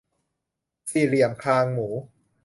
สี่เหลี่ยมคางหมู